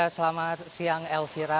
selamat siang elvira